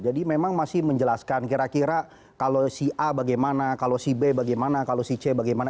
jadi memang masih menjelaskan kira kira kalau si a bagaimana kalau si b bagaimana kalau si c bagaimana